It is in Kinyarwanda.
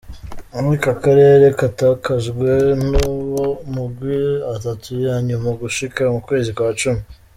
Ariko, akarere katakajwe n’uwo mugwi atatu ya nyuma gushika mu kwezi kwa cumi.